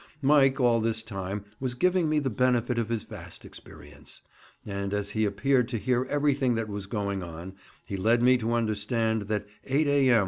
Mike all this time was giving me the benefit of his vast experience; and as he appeared to hear everything that was going on, he led me to understand that eight A.M.